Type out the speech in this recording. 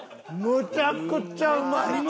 めちゃめちゃうまい。